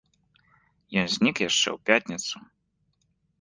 Ён знік яшчэ ў пятніцу.